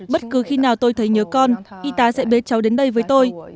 bất cứ khi nào tôi thấy nhớ con y tá sẽ bế cháu đến đây với tôi